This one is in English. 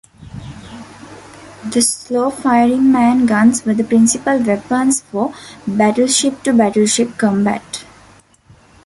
The slow-firing main guns were the principal weapons for battleship-to-battleship combat.